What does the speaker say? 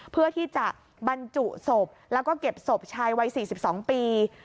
เพื่อที่จะบรรจุศพแล้วก็เก็บศพชายวัย๔๒ปี